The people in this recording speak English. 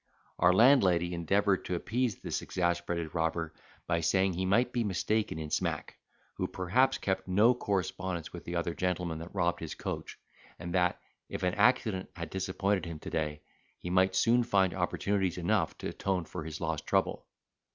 Our landlady endeavoured to appease this exasperated robber, by saying he might be mistaken in Smack, who perhaps kept no correspondence with the other gentleman that robbed his coach; and that, if an accident had disappointed him to day, he might soon find opportunities enough to atone for his lost trouble.